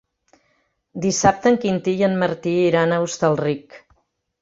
Dissabte en Quintí i en Martí iran a Hostalric.